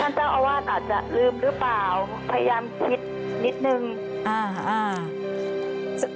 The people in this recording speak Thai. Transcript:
ท่านเจ้าอาวาสอาจจะลืมหรือเปล่าพยายามคิดนิดนึง